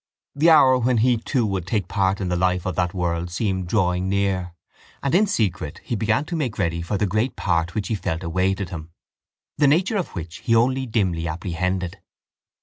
The hour when he too would take part in the life of that world seemed drawing near and in secret he began to make ready for the great part which he felt awaited him the nature of which he only dimly apprehended.